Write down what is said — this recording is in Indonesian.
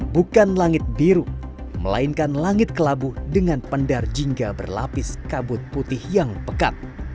bukan langit biru melainkan langit kelabu dengan pendar jingga berlapis kabut putih yang pekat